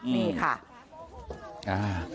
นี่ค่ะ